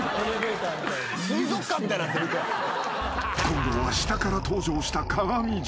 ［今度は下から登場した鏡じじい。